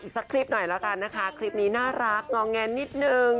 สักคลิปหน่อยแล้วกันนะคะคลิปนี้น่ารักงอแงนิดนึง